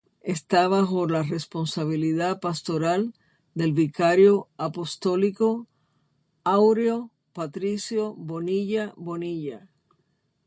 Esta bajo la responsabilidad pastoral del vicario apostólico Áureo Patricio Bonilla Bonilla.